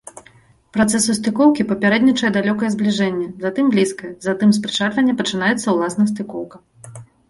Працэсу стыкоўкі папярэднічае далёкае збліжэнне, затым блізкае, затым з прычальвання пачынаецца ўласна стыкоўка.